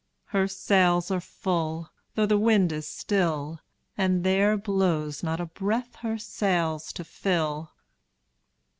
Her sails are full, though the wind is still, And there blows not a breath her sails to fill!